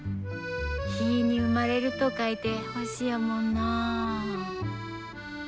「日」に「生まれる」と書いて「星」やもんなあ。